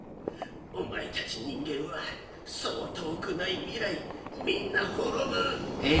お前たち人間はそう遠くない未来みんな滅ぶ。